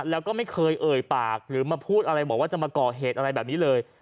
แล้วก็ไม่เคยเอ่ยปากหรือมาพูดอะไรบอกว่าจะมาก่อเหตุอะไรแบบนี้เลย